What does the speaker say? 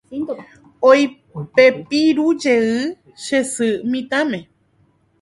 Oipepirũjey che sy mitãme.